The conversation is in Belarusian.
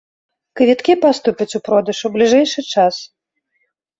Квіткі паступяць у продаж у бліжэйшы час.